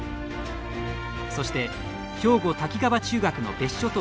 そして兵庫・滝川中学の別所投手。